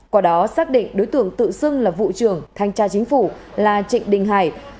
quả đó xác định đối tượng tự xưng là vụ trưởng thanh tra chính phủ là trịnh đình hải